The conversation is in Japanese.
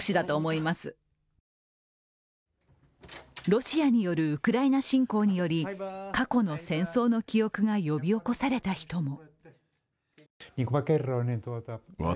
ロシアによるウクライナ侵攻により過去の戦争の記憶が呼び起こされた人も。